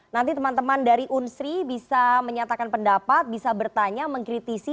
nanti teman teman dari unsri bisa menyatakan pendapat bisa bertanya mengkritisi